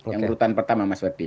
yang urutan pertama mas ferdi